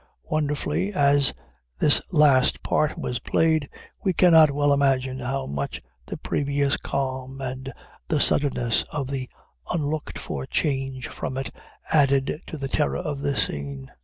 Wonderfully as this last part was played, we cannot well imagine how much the previous calm, and the suddenness of the unlooked for change from it, added to the terror of the scene.